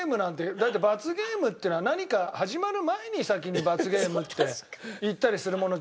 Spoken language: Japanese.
だって罰ゲームっていうのは何か始まる前に先に罰ゲームって言ったりするものじゃない。